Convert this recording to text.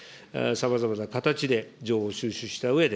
さまざまな形で情報収集したうえ